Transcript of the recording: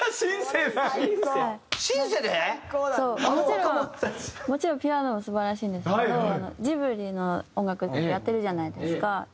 もちろんもちろんピアノも素晴らしいんですけどジブリの音楽の時やってるじゃないですか。